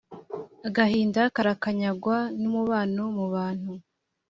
agahinda karakanyagwa, n’umubano mu bantu